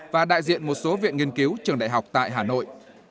và đại diện một số viện nghiên cứu trường đại học tại hà nội